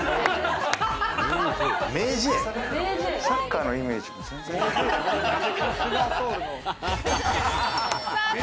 サッカーのイメージない。